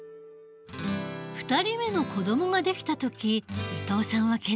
２人目の子どもが出来た時伊藤さんは決意した。